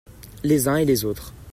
Les uns et les autres.